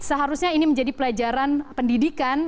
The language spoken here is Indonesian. seharusnya ini menjadi pelajaran pendidikan